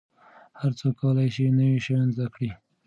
هر څوک کولای سي نوي شیان زده کړي.